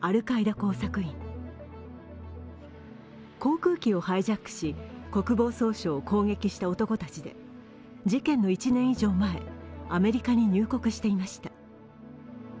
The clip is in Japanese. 航空機をハイジャックし国防総省を攻撃した男たちで事件の１年以上前、アメリカに入国していました。